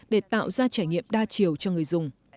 để tạo ra trải nghiệm đa chiều cho người dùng